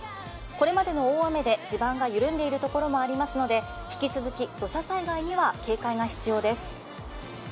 これまでの大雨で地盤が緩んでいるところもありますので引き続き土砂災害には警戒が必要です。